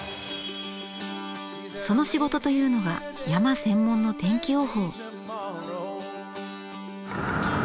その仕事というのが山専門の天気予報。